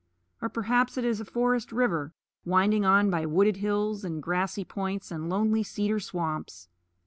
Or perhaps it is a forest river, winding on by wooded hills and grassy points and lonely cedar swamps.